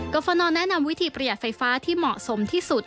ฟนแนะนำวิธีประหยัดไฟฟ้าที่เหมาะสมที่สุด